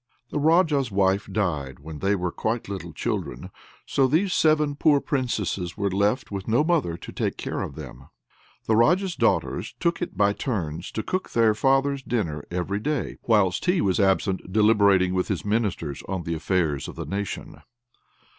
The Raja's wife died when they were quite little children, so these seven poor Princesses were left with no mother to take care of them. The Raja's daughters took it by turns to cook their father's dinner every day, whilst he was absent deliberating with his Ministers on the affairs of the nation.